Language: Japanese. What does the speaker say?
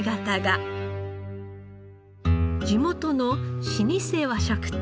地元の老舗和食店。